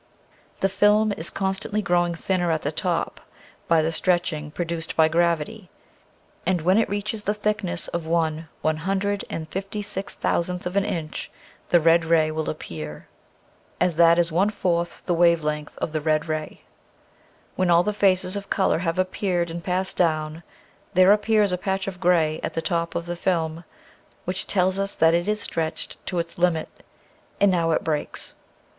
The film is constantly growing thinner at the top, by the stretching produced by gravity, and when it , i . Original from UNIVERSITY OF WISCONSIN 188 nature's Alracles. reaches the thickness of one one hundred and fifty six thousandth of an inch the red ray will appear, as that is one fourth the wave length of the red ray. When all the phases of color have appeared and passed down there appears a patch of gray at the top of the film which tells us that it is stretched to its limit. And now it breaks.